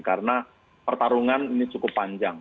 karena pertarungan ini cukup panjang